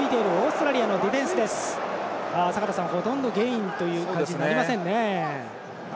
坂田さんほとんどゲインという感じになりませんね。